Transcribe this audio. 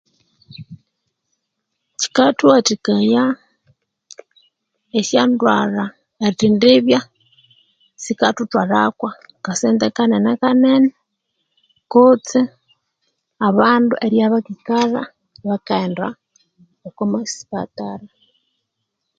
Kyikathuwathikaya esyandwalha erithendibya sikathuthwalha Kwa kasente kanene kanene kutse abandu eribya bakikalha ba kaghenda okwa masipatara